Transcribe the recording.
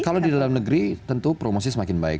kalau di dalam negeri tentu promosi semakin baik